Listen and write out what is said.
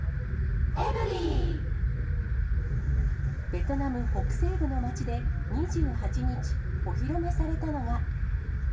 ベトナム北西部の街で２８日、お披露目されたのが。